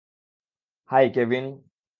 High, Kevin.